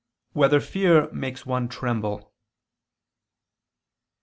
3] Whether Fear Makes One Tremble?